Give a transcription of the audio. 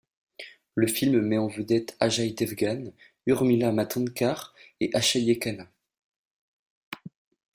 Le film met en vedette Ajay Devgan, Urmila Matondkar et Akshaye Khanna.